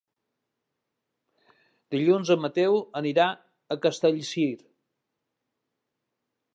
Dilluns en Mateu anirà a Castellcir.